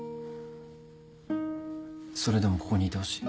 それでもここにいてほしい。